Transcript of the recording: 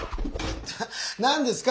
何ですか？